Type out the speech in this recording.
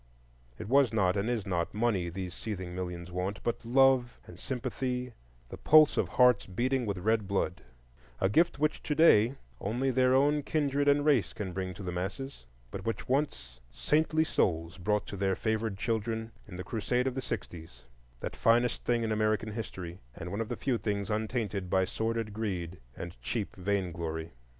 It was not and is not money these seething millions want, but love and sympathy, the pulse of hearts beating with red blood;—a gift which to day only their own kindred and race can bring to the masses, but which once saintly souls brought to their favored children in the crusade of the sixties, that finest thing in American history, and one of the few things untainted by sordid greed and cheap vainglory.